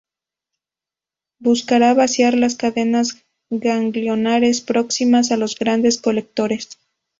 Buscarán vaciar las cadenas ganglionares próximas a los grandes colectores.